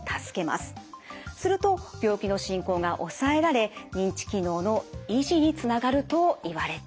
すると病気の進行が抑えられ認知機能の維持につながるといわれています。